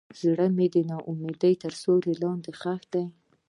زړه مې د ناامیدۍ تر سیوري لاندې ښخ دی.